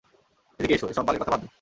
এদিকে এসো - এসব বালের কথা বাদ দে।